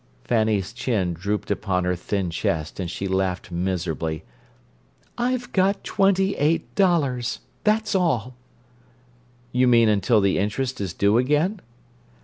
Fanny's chin drooped upon her thin chest, and she laughed miserably. "I've got twenty eight dollars. That's all." "You mean until the interest is due again?"